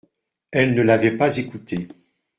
Elles ne l’avaient pas écoutée.